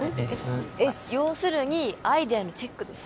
エス要するにアイデアのチェックです